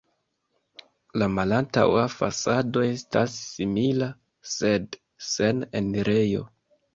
La malantaŭa fasado estas simila, sed sen enirejo.